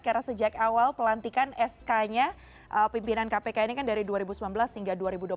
karena sejak awal pelantikan sk nya pimpinan kpk ini kan dari dua ribu sembilan belas hingga dua ribu dua puluh tiga